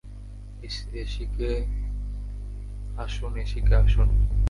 এসিকে আসুন, এসিকে আসুন।